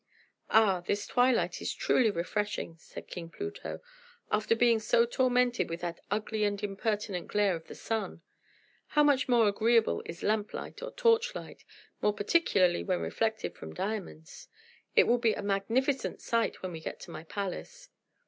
"Ah, this twilight is truly refreshing," said King Pluto, "after being so tormented with that ugly and impertinent glare of the sun. How much more agreeable is lamp light or torchlight, more particularly when reflected from diamonds! It will be a magnificent sight when we get to my palace."